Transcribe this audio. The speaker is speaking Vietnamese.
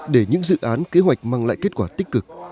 để những dự án kế hoạch mang lại kết quả tích cực